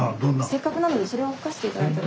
せっかくなのでそれを吹かしていただいても。